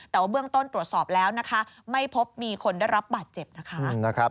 แต่ว่าเบื้องต้นตรวจสอบแล้วนะคะไม่พบมีคนได้รับบาดเจ็บนะคะ